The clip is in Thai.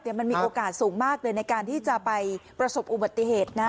แต่มันมีโอกาสสูงมากเลยในการที่จะไปประสบอุบัติเหตุนะ